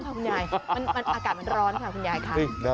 คุณยายกินน้ำครับคุณยายอากาศร้อนครับคุณยาย